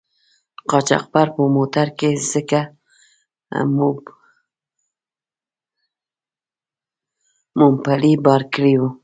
قاچاقبر په موټر کې ځکه مومپلي بار کړي وو.